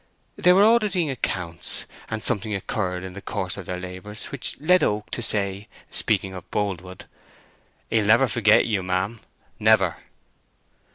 They were auditing accounts, and something occurred in the course of their labours which led Oak to say, speaking of Boldwood, "He'll never forget you, ma'am, never."